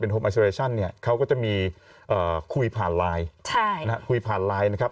เนี้ยเขาก็จะมีอ่าคุยผ่านลายใช่นะฮะคุยผ่านลายนะครับ